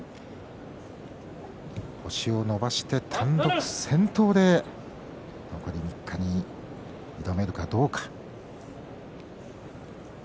星を伸ばして単独先頭で残り３日に挑めるかどうか。